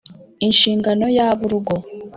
Inshingano y’ab’urugo